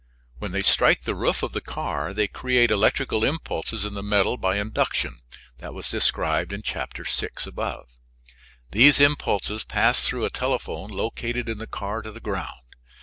When they strike the roof of the car they create electrical impulses in the metal by induction (described in Chap. VI). These impulses pass through a telephone located in the car to the ground.